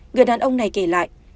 người đàn ông này kể lại